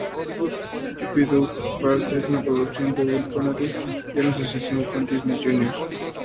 Puppy Dog Pals es una producción de Wild Canary en asociación con Disney Junior.